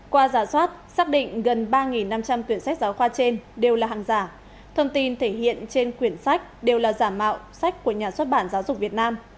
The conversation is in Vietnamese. qua giả soát xác định gần ba năm trăm linh quyển sách giáo khoa trên đều là hàng giả thông tin thể hiện trên quyển sách đều là giả mạo sách của nhà xuất bản giáo dục việt nam